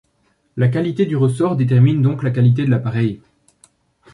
La qualité du ressort détermine donc la qualité de l'appareil.